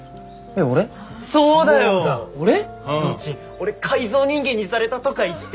俺改造人間にされたとか言って。